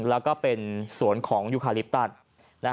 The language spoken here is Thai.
แล้วก็เป็นสวนของยูคาลิปตัน